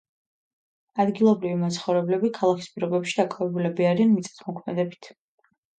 ადგილობრივი მაცხოვრებლები ქალაქის პირობებში დაკავებულები არიან მიწათმოქმედებით.